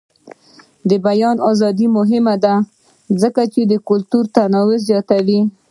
د بیان ازادي مهمه ده ځکه چې کلتوري تنوع زیاتوي.